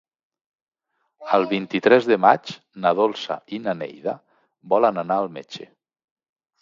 El vint-i-tres de maig na Dolça i na Neida volen anar al metge.